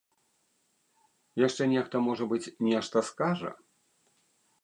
Яшчэ нехта, можа быць, нешта скажа.